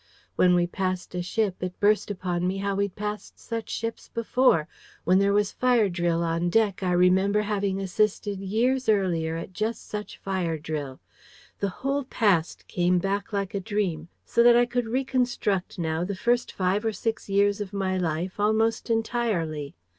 When we passed a ship, it burst upon me how we'd passed such ships before: when there was fire drill on deck, I remembered having assisted years earlier at just such fire drill. The whole past came back like a dream, so that I could reconstruct now the first five or six years of my life almost entirely.